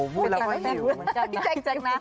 พูดแล้วไม่หิว